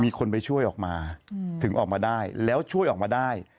มีคนไปช่วยออกมาถึงออกมาได้แล้วช่วยออกมาได้